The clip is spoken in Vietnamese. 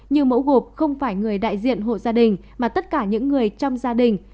như mẫu gộp không phải người đại diện hộ gia đình mà tất cả những người trong gia đình